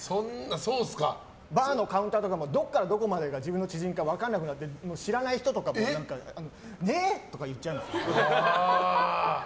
バーのカウンターとかもどこからどこまでが自分の知人か分かんなくなって知らない人とかもねえ！とか言っちゃうんです。